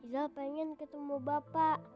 iza pengen ketemu bapak